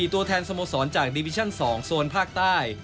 ตัวแทนสโมสรจากดิวิชั่น๒โซนภาคใต้